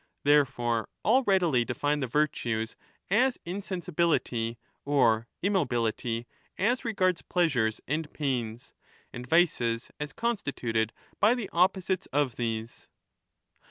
Therefore all readily define the virtues as insensibility or immobility as regards pleasures and pains, and vices as constituted by the opposites of these.